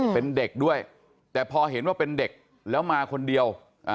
เป็นเด็กด้วยแต่พอเห็นว่าเป็นเด็กแล้วมาคนเดียว